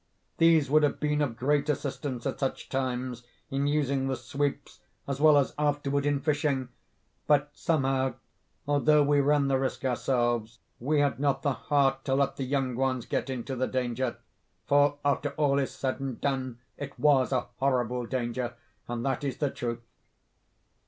These would have been of great assistance at such times, in using the sweeps, as well as afterward in fishing—but, somehow, although we ran the risk ourselves, we had not the heart to let the young ones get into the danger—for, after all is said and done, it was a horrible danger, and that is the truth.